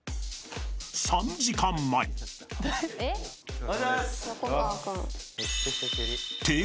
［３時間前］おはようございます。